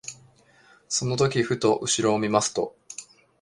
その時ふと後ろを見ますと、